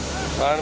air medium ya bang